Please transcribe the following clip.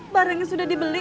barangnya sudah dibeli